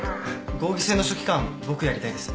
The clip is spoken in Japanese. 合議制の書記官僕やりたいです。